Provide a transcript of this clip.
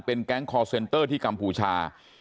แก๊งคอร์เซนเตอร์ที่กัมพูชา